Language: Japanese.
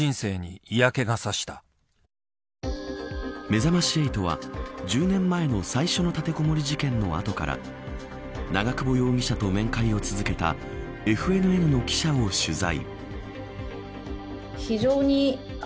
めざまし８は、１０年前の最初の立てこもり事件の後から長久保容疑者と面会を続けたＦＮＮの記者を取材。